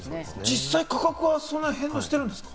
実際、価格はそんなに変動しているんですか？